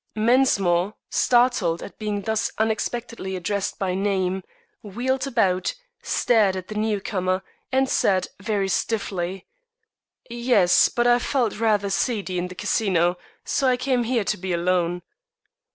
Mensmore, startled at being thus unexpectedly addressed by name, wheeled about, stared at the new comer, and said, very stiffly: "Yes; but I felt rather seedy in the Casino, so I came here to be alone."